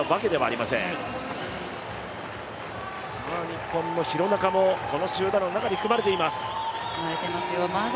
日本の廣中もこの集団の中に含まれています。